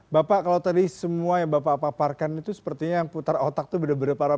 bapak kalau tadi semua yang bapak paparkan itu sepertinya yang putar otak itu benar benar parah